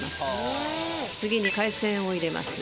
次に海鮮を入れます。